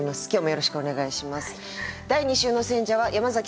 よろしくお願いします。